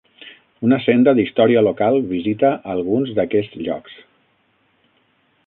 Una senda d'història local visita alguns d'aquests llocs.